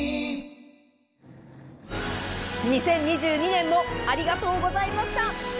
２０２２年もありがとうございました。